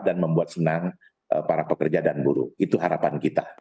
dan membuat senang para pekerja dan buruh itu harapan kita